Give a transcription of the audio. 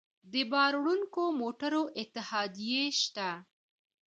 د بار وړونکو موټرو اتحادیې شته